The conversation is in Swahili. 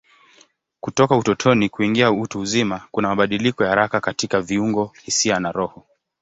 Kutoka utotoni kuingia utu uzima kuna mabadiliko ya haraka katika viungo, hisia na roho.